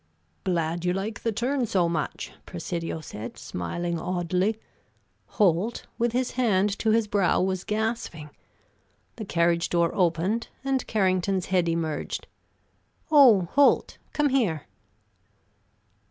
"Glad you like the turn so much," Presidio said, smiling oddly. Holt, with his hand to his brow was gasping. The carriage door opened and Carrington's head emerged: "Oh, Holt, come here."